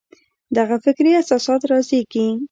دغه فکري اساسات رازېږي.